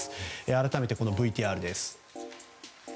改めてＶＴＲです。